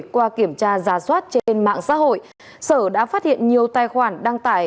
qua kiểm tra giả soát trên mạng xã hội sở đã phát hiện nhiều tài khoản đăng tải